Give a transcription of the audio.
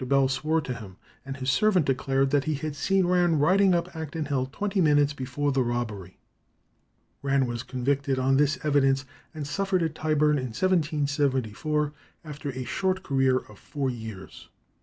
Bell swore to him, and his servant declared that he had seen Rann riding up Acton Hill twenty minutes before the robbery. Rann was convicted on this evidence and suffered at Tyburn, in 1774, after a short career of four years.